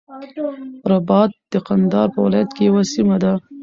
رباط د قندهار په ولایت کی یوه سیمه ده.